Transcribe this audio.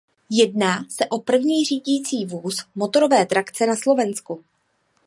Jedná o první řídicí vůz motorové trakce na Slovensku.